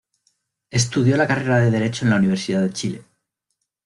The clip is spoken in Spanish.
Estudió la carrera de derecho en la Universidad de Chile.